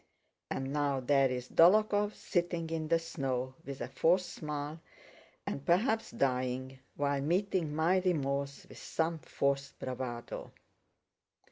And now there's Dólokhov sitting in the snow with a forced smile and perhaps dying, while meeting my remorse with some forced bravado!"